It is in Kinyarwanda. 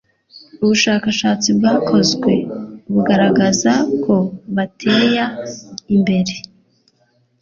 ubushskashatsi bwakozwe bugaragaza ko bateya imbere